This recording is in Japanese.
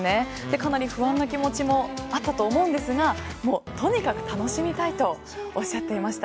かなり不安な気持ちもあったと思いますがとにかく楽しみたいとおっしゃっていました。